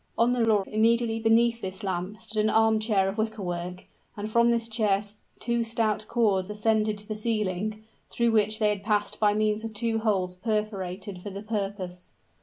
On the floor, immediately beneath this lamp, stood an armchair of wicker work; and from this chair two stout cords ascended to the ceiling, through which they passed by means of two holes perforated for the purpose.